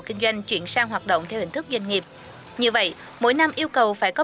kinh doanh chuyển sang hoạt động theo hình thức doanh nghiệp như vậy mỗi năm yêu cầu phải có